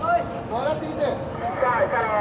上がってきて。